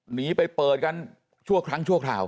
หนีไปเปิดกันชั่วครั้งชั่วคราว